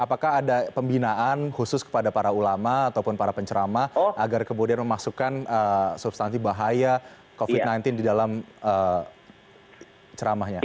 apakah ada pembinaan khusus kepada para ulama ataupun para pencerama agar kemudian memasukkan substansi bahaya covid sembilan belas di dalam ceramahnya